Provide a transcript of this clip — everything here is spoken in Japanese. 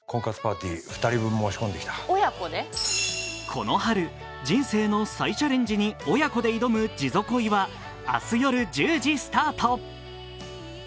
この春人生の再チャレンジに親子で挑む「ジゾコイ」は明日夜１０時スタート。